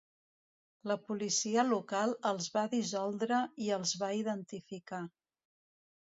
La policia local els va dissoldre i els va identificar.